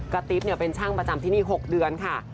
ติ๊บเป็นช่างประจำที่นี่๖เดือนค่ะ